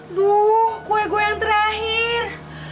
aduh kue gue yang terakhir